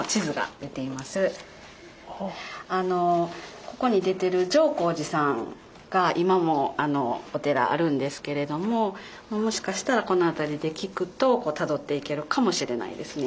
あのここに出てる乗光寺さんが今もお寺あるんですけれどももしかしたらこの辺りで聞くとたどっていけるかもしれないですね。